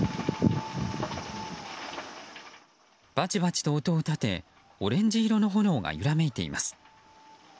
バチバチと音を立てオレンジ色の炎が揺らめいています。